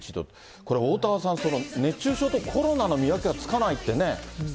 これ、おおたわさん、熱中症とコロナの見分けがつかないってね。